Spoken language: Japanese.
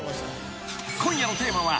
［今夜のテーマは］